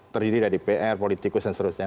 terdiri dari pr politikus dan seterusnya